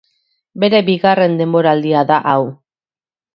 Bere bigarren denboraldia da hau.